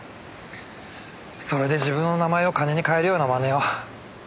それで自分の名前を金に換えるような真似を。